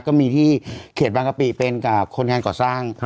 ก็มีที่เขตบางกะปิเป็นคนงานก่อสร้าง